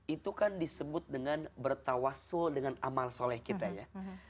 itu kan disebut dengan bertawassul dengan amal soleh kita ya